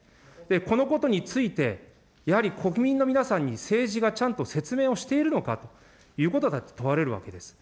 このことについて、やはり、国民の皆さんに政治がちゃんと説明をしているのかということが問われるわけです。